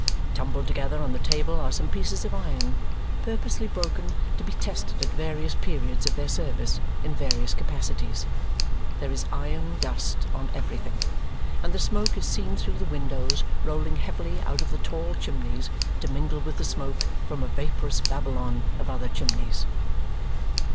Tumbled together on the table are some pieces of iron, purposely broken to be tested at various periods of their service, in various capacities. There is iron dust on everything; and the smoke is seen through the windows rolling heavily out of the tall chimneys to mingle with the smoke from a vaporous Babylon of other chimneys.